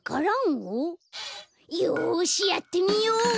よしやってみよう！